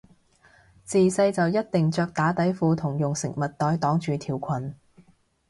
自細就一定着打底褲同用食物袋擋住條裙